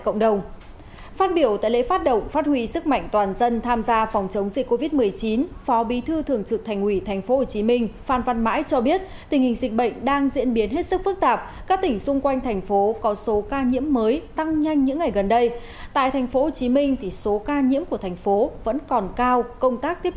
cảm ơn các bạn đã theo dõi